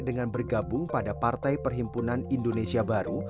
dengan bergabung pada partai perhimpunan indonesia baru